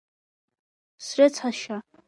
Срыцҳашьа.